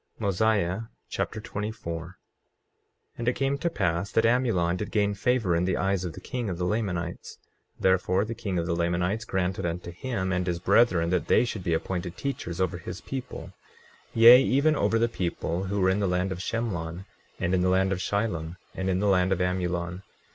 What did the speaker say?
Mosiah Chapter 24 24:1 And it came to pass that Amulon did gain favor in the eyes of the king of the Lamanites; therefore, the king of the Lamanites granted unto him and his brethren that they should be appointed teachers over his people, yea, even over the people who were in the land of Shemlon, and in the land of Shilom, and in the land of Amulon.